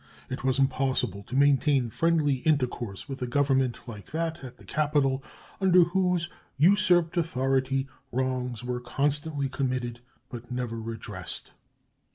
It was impossible to maintain friendly intercourse with a government like that at the capital, under whose usurped authority wrongs were constantly committed, but never redressed.